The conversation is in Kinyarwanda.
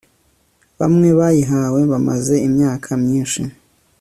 bamwe bayihawe bamaze imyaka myinshi